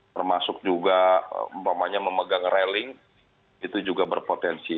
termasuk juga memegang railing itu juga berpotensi